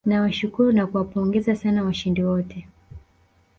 nawashukuru na kuwapongeza sana washindi wote